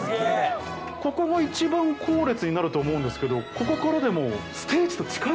ここが一番後列になると思うんですけどここからでも。